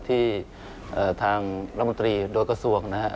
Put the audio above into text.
ที่ทางรัฐมนตรีโดยกระทรวงนะครับ